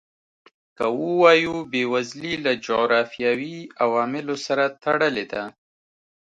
که ووایو بېوزلي له جغرافیوي عواملو سره تړلې ده.